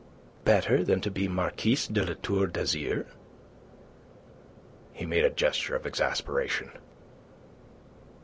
"Better than to be Marquise de La Tour d'Azyr?" He made a gesture of exasperation.